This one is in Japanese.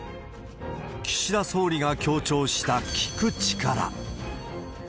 岸田総理が強調した聴く力。